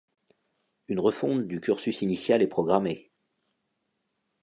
Une refonte du cursus initial est programmée.